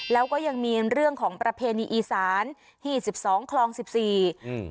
แล้วก็ยังมีเรื่องของประเพณีอีสานที่สิบสองคลองสิบสี่อืม